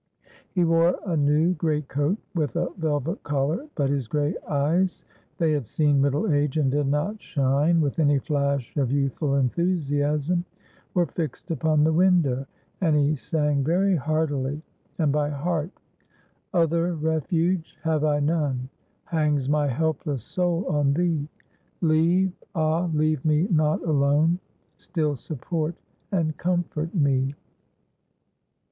He wore a new great coat with a velvet collar, but his gray eyes (they had seen middle age, and did not shine with any flash of youthful enthusiasm) were fixed upon the window, and he sang very heartily, and by heart,— "Other Refuge have I none! Hangs my helpless soul on Thee; Leave, ah! leave me not alone, Still support and comfort me."